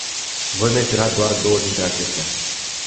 Voi menționa doar două dintre acestea.